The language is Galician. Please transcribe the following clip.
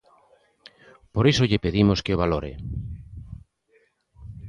Por iso lle pedimos que o valore.